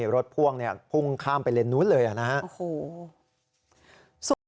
รถพ่วงเนี่ยพุ่งข้ามไปเลนนู้นเลยนะครับ